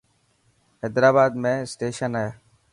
حيدرآباد ۾ اسٽيشن هي.